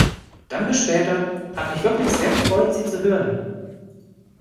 Dann bis später. Hat mich wirklich sehr gefreut Sie zu hören!